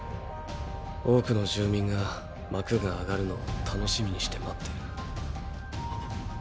多くの住民が幕が上がるのを楽しみにして待っている。！